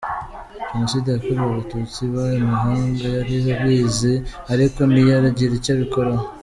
Jenoside yakorewe Abatutsi iba, amahanga yari abizi ariko ntiyagira icyo abikoraho.